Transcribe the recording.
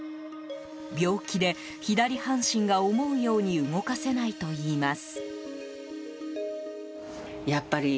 病気で、左半身が思うように動かせないといいます。